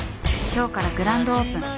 今日からグランドオープン！